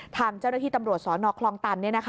ทางเจ้าหน้าที่ตำรวจสนคลองตัน